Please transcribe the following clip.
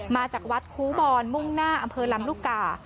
มาจากวัดคูบอนมุ่งหน้าอำเภอลำลูกกา